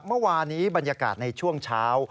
เมื่อวานี้บรรยากาศในช่วงเช้า